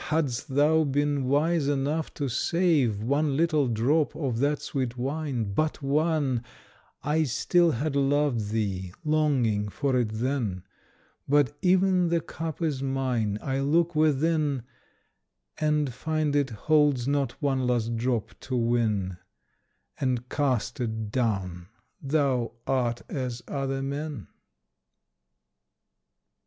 hadst thou been wise enough to save One little drop of that sweet wine but one I still had loved thee, longing for it then. But even the cup is mine. I look within, And find it holds not one last drop to win, And cast it down. Thou art as other men.